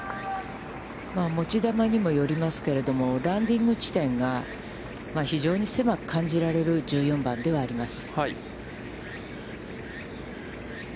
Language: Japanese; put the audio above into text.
持ち球にもよりますけれども、ランディング地点が非常に狭く感じられる１４番ではあります。